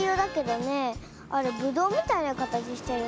あれぶどうみたいなかたちしてるね。